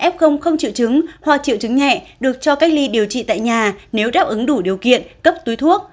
f không triệu chứng hoặc triệu chứng nhẹ được cho cách ly điều trị tại nhà nếu đáp ứng đủ điều kiện cấp túi thuốc